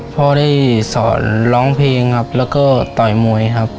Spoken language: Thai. พ่อได้สอนร้องเพลงครับแล้วก็ต่อยมวยครับ